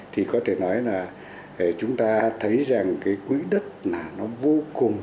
thì có thể nói là chúng ta thấy rằng cái quỹ đất là nó vô cùng